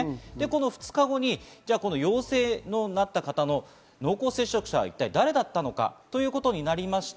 ２日後に陽性になった方の濃厚接触者は一体誰だったのかということになった。